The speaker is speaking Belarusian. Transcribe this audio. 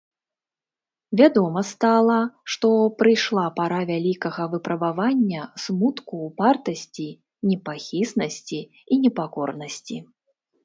Вядома стала, што прыйшла пара вялікага выпрабавання, смутку, упартасці, непахіснасці і непакорнасці.